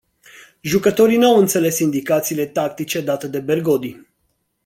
Jucătorii n-au înțeles indicațiile tactice date de Bergodi.